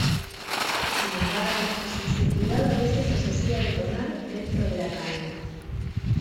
Sin embargo, su sensibilidad a veces los hacía detonar dentro de la caña.